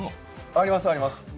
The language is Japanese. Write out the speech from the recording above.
あります、あります。